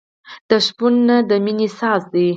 د شپون نی د مینې ساز دی.